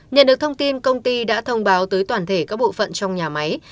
nhận được thông tin công ty đã thông báo tới toàn thể các bộ phận trong nhà máy